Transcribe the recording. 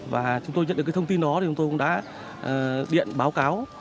và chúng tôi nhận được cái thông tin đó thì chúng tôi cũng đã điện báo cáo